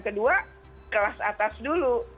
kedua kelas atas dulu